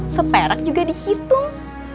seperak juga dihitung